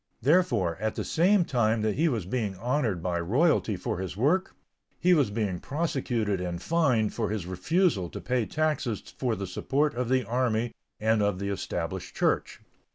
Therefore, at the same time that he was being honored by royalty for his work, he was being prosecuted and fined for his refusal to pay taxes for the support of the army and of the Established Church.